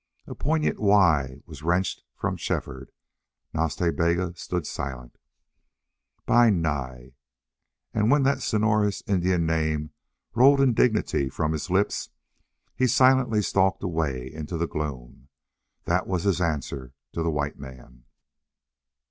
A poignant why was wrenched from Shefford. Nas Ta Bega stood silent. "BI NAI!" And when that sonorous Indian name rolled in dignity from his lips he silently stalked away into the gloom. That was his answer to the white man.